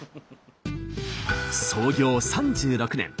創業３６年。